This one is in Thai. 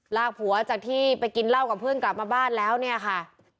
ลากผัวจากที่ไปกินเหล้ากับเพื่อนกลับมาบ้านแล้วเนี่ยค่ะ